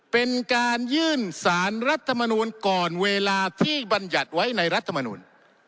เป็นการยื่นสารรัฐมนูลก่อนเวลาที่บรรยัติไว้ในรัฐมนูล